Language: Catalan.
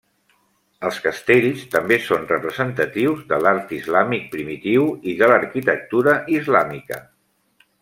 Els castells també són representatius de l'art islàmic primitiu i de l'arquitectura islàmica.